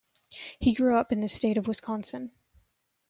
He grew up in the state of Wisconsin.